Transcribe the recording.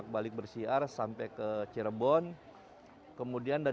itu dari banten sampai ke jawa timur sana kan